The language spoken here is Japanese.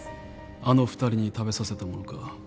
あの２人に食べさせたものか？